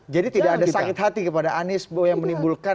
jadi tidak ada sakit hati kepada anies yang menimbulkan mungkin dalam politik